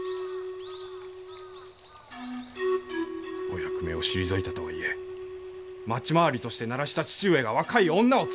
お役目を退いたとはいえ町廻りをして鳴らした義父上が若い女を連れ歩く。